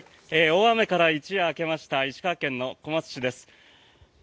大雨から一夜明けました石川県の小松市です。